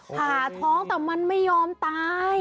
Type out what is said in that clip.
ผ่าท้องแต่มันไม่ยอมตาย